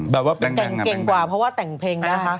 แบบว่าเก่งกว่าเพราะว่าแต่งเพลงได้